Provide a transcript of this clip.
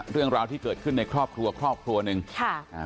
เรื่องราวที่เกิดขึ้นในครอบครัวครอบครัวหนึ่งค่ะอ่า